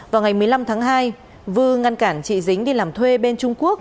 vào ngày một mươi năm tháng hai vừa ngăn cản chị dính đi làm thuê bên trung quốc